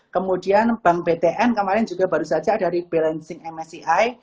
kemudian bank btn kemarin juga baru saja ada rebalancing msci